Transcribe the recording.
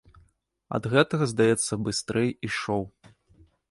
Ад гэтага, здаецца, быстрэй ішоў.